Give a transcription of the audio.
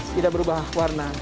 tidak berubah warna